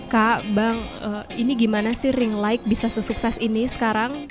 kak bang ini gimana sih ring like bisa sesukses ini sekarang